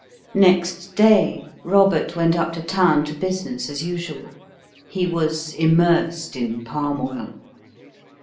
Next day, Robert went up to town to business as usual. He was immersed in palm oil.